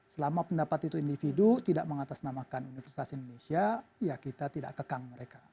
selama pendapat itu individu tidak mengatasnamakan universitas indonesia ya kita tidak kekang mereka